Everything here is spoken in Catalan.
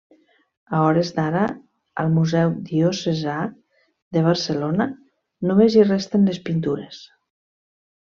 A hores d'ara, al Museu Diocesà de Barcelona només hi resten les pintures.